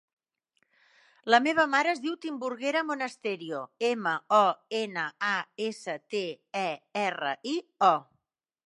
La meva mare es diu Timburguera Monasterio: ema, o, ena, a, essa, te, e, erra, i, o.